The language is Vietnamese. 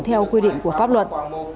theo quy định của pháp luật